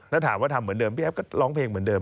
แล้วถามว่าทำเหมือนเดิมพี่แอฟก็ร้องเพลงเหมือนเดิม